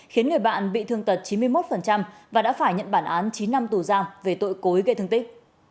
khiến người bạn bị thương tật chín mươi một và đã phải nhận bản án chín năm tù giam về tội cối gây thương tích